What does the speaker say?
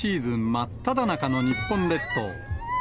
真っただ中の日本列島。